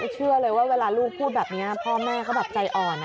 เชื่อเลยว่าเวลาลูกพูดแบบนี้พ่อแม่ก็แบบใจอ่อน